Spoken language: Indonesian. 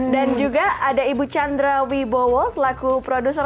dan juga ada ibu chandra wibowo selaku produser